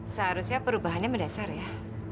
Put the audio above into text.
seharusnya perubahannya mendasar ya